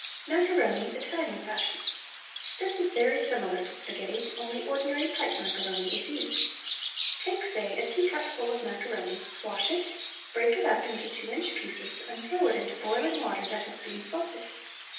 MACARONI ITALIAN FASHION. This is very similar to sparghetti, only ordinary pipe macaroni is used. Take, say, a teacupful of macaroni, wash it, break it up into two inch pieces, and throw it into boiling water that has been salted.